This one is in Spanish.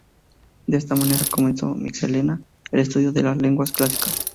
De esa manera comenzó Mitxelena el estudio de las lenguas clásicas.